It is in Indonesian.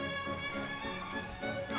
aku mau pergi ke rumah